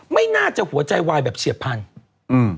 ไม่น่าจะหัวใจวายแบบเฉียบพันธุ์อืม